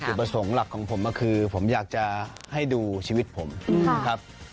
ประสงค์หลักของผมก็คือผมอยากจะให้ดูชีวิตผมนะครับ